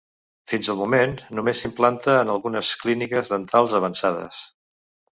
Fins al moment només s'implanta en algunes clíniques dentals avançades.